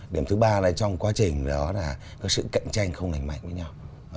điểm thứ ba là trong quá trình đó là có sự cạnh tranh không lành mạnh với nhau